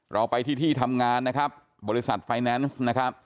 เราไปที่ที่ทำงานบริษัทไฟแนนซ์